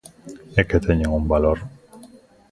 ¡E que teñen un valor!